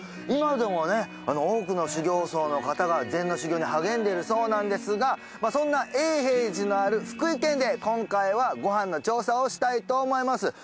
今でもね多くの修行僧の方が禅の修行に励んでいるそうなんですがそんな永平寺のある福井県で今回はご飯の調査をしたいと思います。